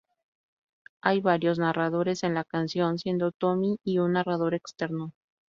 Hay varios narradores en la canción, siendo Tommy un narrador externo.